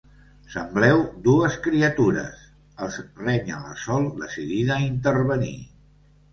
Sembleu dues criatures —els renya la Sol, decidida a intervenir—.